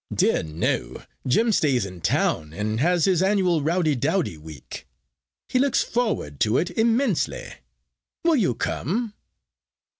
"Dear no. Jim stays in town, and has his annual rowdy dowdy week. He looks forward to it immensely. Will you come?"